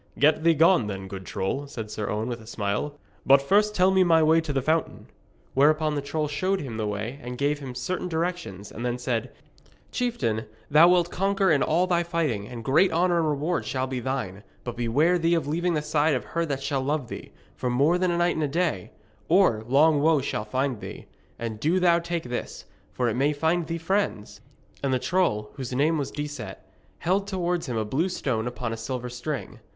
'Get thee gone, then, good troll,' said Sir Owen, with a smile. 'But first tell me my way to the fountain.' Whereupon the troll showed him the way and gave him certain directions, and then said: 'Chieftain, thou wilt conquer in all thy fighting, and great honour and reward shall be thine. But beware thee of leaving the side of her that shall love thee, for more than a night and a day, or long woe shall find thee. And do thou take this, for it may find thee friends.' And the troll, whose name was Decet, held towards him a blue stone upon a silver string.